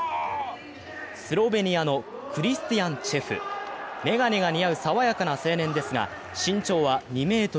スロベニアのクリスティアン・チェフ眼鏡が似合う爽やかな青年ですが、身長は２ｍ６ｃｍ。